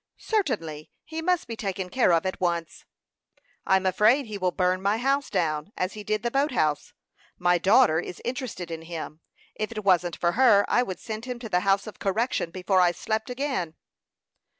"Certainly; he must be taken care of at once." "I'm afraid he will burn my house down, as he did the boat house. My daughter is interested in him; if it wasn't for her, I would send him to the house of correction before I slept again."